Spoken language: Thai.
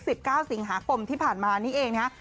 เก้าสิงหาคมที่ผ่านมานี่เองนะฮะ